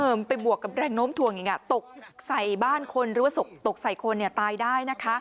มันไปบวกกับแรงโน้มถ่วงอีกตกใส่บ้านคนหรือว่าตกใส่คนตายได้นะคะ